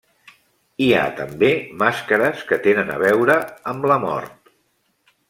Hi ha també màscares que tenen a veure amb la mort.